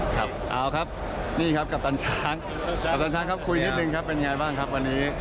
ครับเอาครับนี่ครับกับตันช้างคุยนิดหนึ่งครับเป็นอย่างไรบ้างครับวันนี้